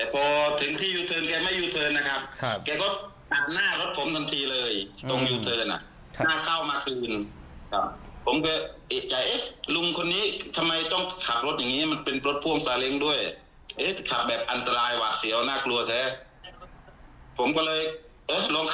ผมก็เลยลองขับตามสักพันธุ์หนึ่ง